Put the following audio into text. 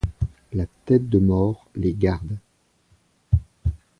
La tête de mort les garde.